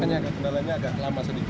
makanya agak kembalanya agak lama sedikit